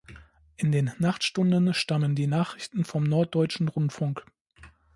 In den Nachtstunden stammen die Nachrichten vom Norddeutschen Rundfunk.